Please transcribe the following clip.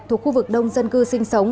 thuộc khu vực đông dân cư sinh sống